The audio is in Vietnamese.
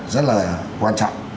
rất là quan trọng